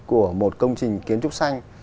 của một công trình kiến trúc xanh